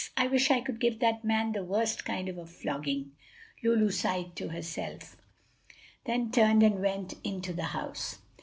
I wish I could give that man the worst kind of a flogging!" Lulu sighed to herself, then turned and went into the house.